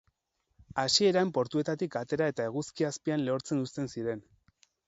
Hasieran portuetatik atera eta eguzki azpian lehortzen uzten ziren.